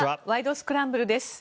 スクランブル」です。